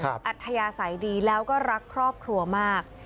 อัธยาศัยดีแล้วก็รักครอบครัวมาก